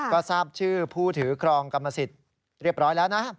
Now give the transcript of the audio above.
ก็ทราบชื่อผู้ถือครองกรรมสิทธิ์เรียบร้อยแล้วนะ